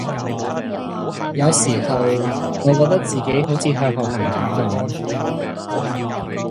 有時候，我覺得自己好似向後行緊噉